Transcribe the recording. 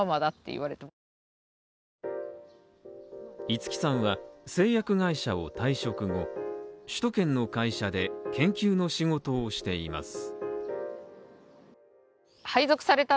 いつきさんは、製薬会社を退職後首都圏の会社で研究の仕事をしています。